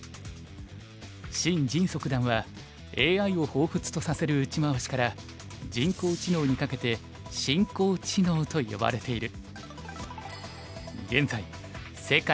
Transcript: シン・ジンソ九段はＡＩをほうふつとさせる打ち回しから「人工知能」にかけて「申工知能」と呼ばれている。